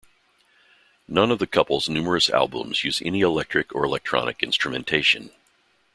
None of the couple's numerous albums use any electric or electronic instrumentation.